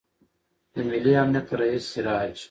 د ملي امنیت رئیس سراج